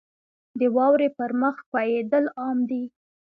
• د واورې پر مخ ښویېدل عام دي.